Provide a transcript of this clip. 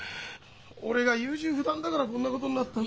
俺が優柔不断だからこんなことになった。